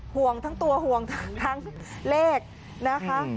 ห่วงทั้งตัวห่วงทั้งเลขนะคะ